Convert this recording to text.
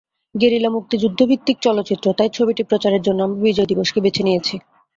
Guerrilla মুক্তিযুদ্ধভিত্তিক চলচ্চিত্র, তাই ছবিটি প্রচারের জন্য আমরা বিজয় দিবসকে বেছে নিয়েছি।